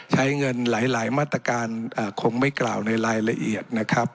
ใช้เงินหลายมาตรการคงไม่กล่าวในรายละเอียดนะครับ